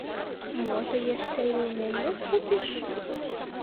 Можа, яшчэ і ў мяне купіш?